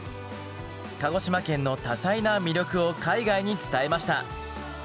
鹿児島県の多彩な魅力を海外に伝えました。